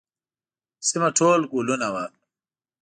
سیمه ټول ګلونه وه.